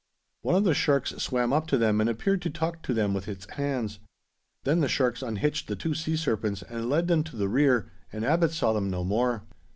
One of the sharks swam up to them and appeared to talk to them with its hands. Then the sharks unhitched the two sea serpents and led them to the rear, and Abbot saw them no more.